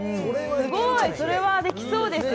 すごいそれはできそうですよ